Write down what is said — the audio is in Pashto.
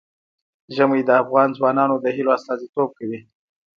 ژمی د افغان ځوانانو د هیلو استازیتوب کوي.